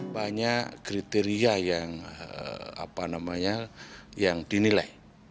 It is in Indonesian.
banyak kriteria yang dinilai